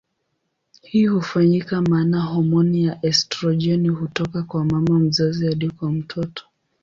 Hii hufanyika maana homoni ya estrojeni hutoka kwa mama mzazi hadi kwa mtoto.